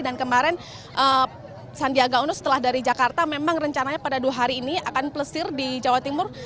dan kemarin sandiaga uno setelah dari jakarta memang rencananya pada dua hari ini akan plesir di jawa timur